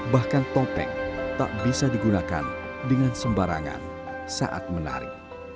bahkan topeng tak bisa digunakan dengan sembarangan saat menari